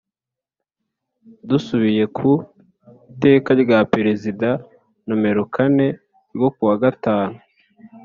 Dusubiye ku Iteka rya Perezida nomero kane ryo kuwa gatanu